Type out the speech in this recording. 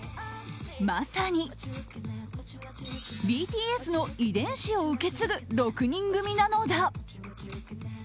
まさにＢＴＳの遺伝子を受け継ぐ６人組なのだ。